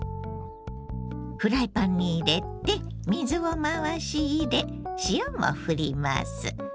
フライパンに入れて水を回し入れ塩もふります。